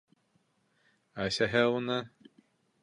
Әсәһе уны: